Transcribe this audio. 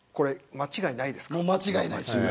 間違いないです。